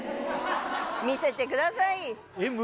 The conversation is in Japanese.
見せてくださいえっ